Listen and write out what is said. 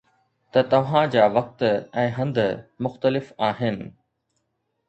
ته توهان جا وقت ۽ هنڌ مختلف آهن